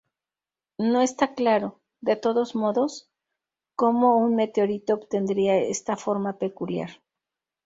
No está claro, de todos modos, cómo un meteorito obtendría esta forma peculiar.